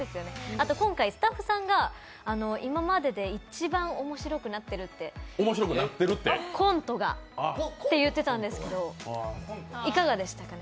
あと、今回スタッフさんが今までで一番面白くなってるって、コントがって言ってたんですけど、いかがでしたかね？